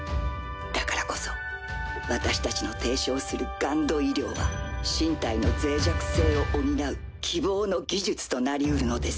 だからこそ私たちの提唱するＧＵＮＤ医療は身体の脆弱性を補う希望の技術となりうるのです。